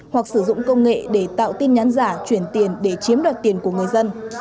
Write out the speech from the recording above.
hoặc sử dụng công nghệ để tạo tin nhắn giả chuyển tiền để chiếm đoạt tiền của người dân